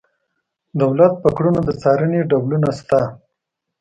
دولت په کړنو د څارنې ډولونه شته.